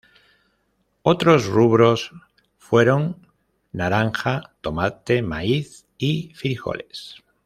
Otros rubros fueron: naranja, tomate, maíz y frijoles.